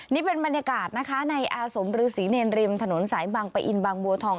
นี่เป็นบรรยากาศนะคะในอาสมฤษีเนรริมถนนสายบางปะอินบางบัวทอง